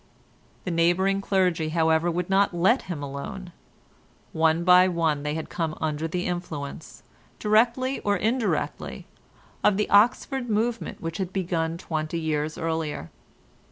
The neighbouring clergy, however, would not let him alone. One by one they had come under the influence, directly or indirectly, of the Oxford movement which had begun twenty years earlier.